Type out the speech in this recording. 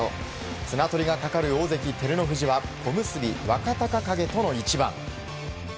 綱取りがかかる大関・照ノ富士は小結・若隆景との一番。